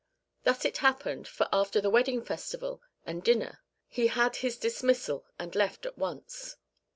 Thus it happened, for after the wedding festival and dinner he had his dismissal and left at once."